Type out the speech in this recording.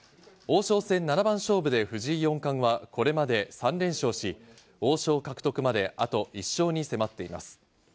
王将戦七番勝負で藤井四冠はこれまで３連勝し、王将獲得まであと１勝に迫っています。